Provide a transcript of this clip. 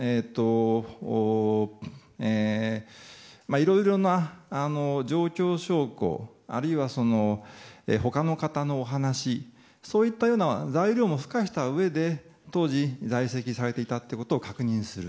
いろいろな状況証拠あるいは他の方のお話そういったような材料を付加したうえで当時、在席されていたことを確認する。